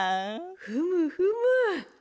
ふむふむ。